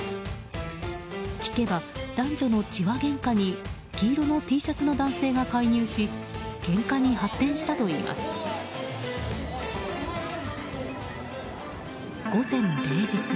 聞けば、男女の痴話げんかに黄色のＴシャツの男性が介入しけんかに発展したといいます。